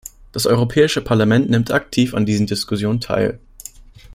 Das Europäische Parlament nimmt aktiv an diesen Diskussionen teil.